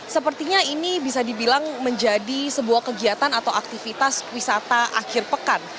sepertinya ini bisa dibilang menjadi sebuah kegiatan atau aktivitas wisata akhir pekan